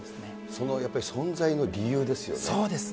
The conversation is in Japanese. そのやっぱり存在の理由ですそうです。